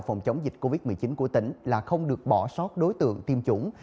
phòng chống dịch covid một mươi chín của tỉnh là không được bỏ sót đối tượng tiêm chủng